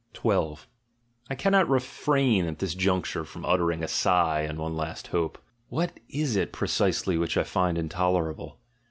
12. I cannot refrain at this juncture from uttering a sigh and one last hope. What is it precisely which I find intolerable?